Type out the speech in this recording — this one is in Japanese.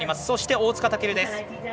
そして、大塚健です。